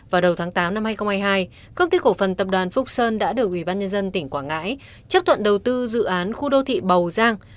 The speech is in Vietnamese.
vào đầu tháng tám năm hai nghìn hai mươi hai công ty cổ phần tập đoàn phúc sơn đã được ủy ban nhân dân tỉnh quảng ngãi chấp thuận đầu tư dự án khu đô thị bầu giang